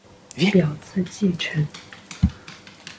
表字稷臣。